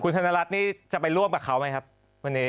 ธนรัฐนี่จะไปร่วมกับเขาไหมครับวันนี้